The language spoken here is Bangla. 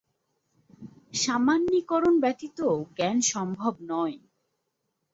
সামান্যীকরণ ব্যতীত জ্ঞান সম্ভব নয়।